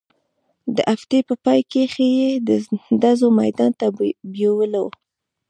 د هفتې په پاى کښې يې د ډزو ميدان ته بېولو.